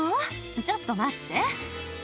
ちょっと待って。